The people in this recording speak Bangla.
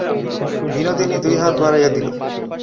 বিনোদিনী দুই হাত বাড়াইয়া দিল।